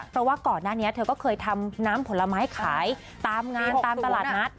เพราะว่าก่อนหน้านี้เธอก็เคยทำน้ำผลไม้ขายตามงานตามตลาดนัด